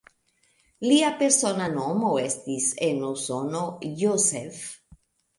Lia persona nomo estis en Usono "Joseph".